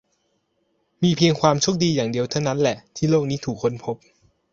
มีเพียงความโชคดีอย่างเดียวเท่านั้นแหละ ที่โลกนี้ถูกค้นพบ